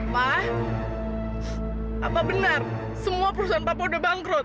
pak apa benar semua perusahaan papa udah bangkrut